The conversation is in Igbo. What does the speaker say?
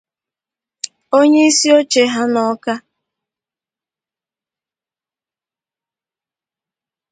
onyeisioche ha n'Awka